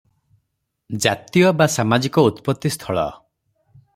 ଜାତୀୟ ବା ସାମାଜିକ ଉତ୍ପତ୍ତିସ୍ଥଳ ।